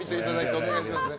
お願いしますね。